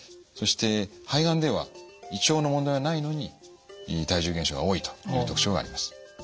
そして肺がんでは胃腸の問題はないのに体重減少が多いという特徴があります。